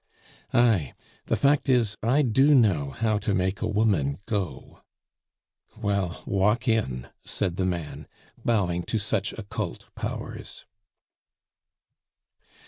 "Ay! The fact is, I do know how to make a woman go." "Well, walk in," said the man, bowing to such occult powers.